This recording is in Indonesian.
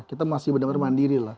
kita masih benar benar mandiri lah